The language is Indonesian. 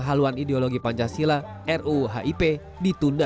haluan ideologi pancasila ruu hip ditunda